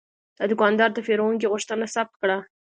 دا دوکاندار د پیرودونکي غوښتنه ثبت کړه.